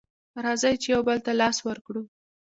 راځئ چې يو بل ته لاس ورکړو